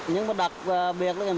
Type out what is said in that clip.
nhưng mà đặc biệt là cái máy